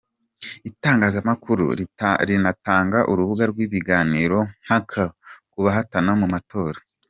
Itangazamakuru rinatanga urubuga rw’ibiganiro mpaka ku bahatana mu matora.